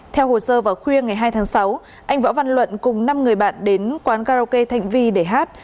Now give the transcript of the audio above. theo hồ sơ vào khuya ngày hai tháng sáu anh võ văn luận cùng năm người bạn đến quán karaoke thanh vi để hát